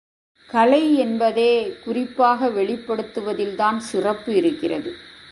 கலை என்பதே குறிப்பாக வெளிப்படுத்துவதில்தான் சிறப்பு இருக்கிறது.